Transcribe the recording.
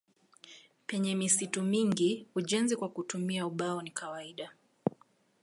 Penye misitu mingi ujenzi kwa kutumia ubao ni kawaida.